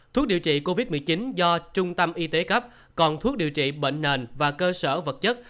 thuốc điều trị covid một mươi chín do trung tâm y tế cấp còn thuốc điều trị bệnh nền và cơ sở vật chất